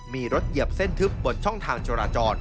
มีรถเหยียบเส้นทึบบนช่องทางจราจร